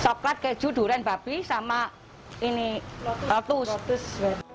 coklat keju durian babi sama ini lotus